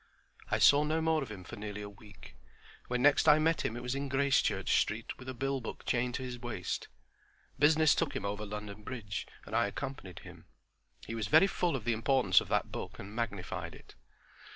I saw no more of him for nearly a week. When next I met him it was in Gracechurch Street with a billbook chained to his waist. Business took him over London Bridge and I accompanied him. He was very full of the importance of that book and magnified it.